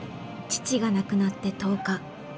父が亡くなって１０日。